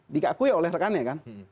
dikakui oleh rekannya kan